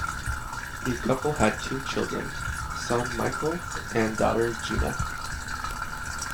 The couple had two children: son Michael and daughter Gina.